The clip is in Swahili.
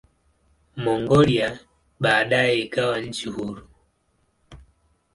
Mongolia baadaye ikawa nchi huru.